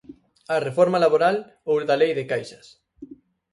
A reforma laboral ou da lei de caixas.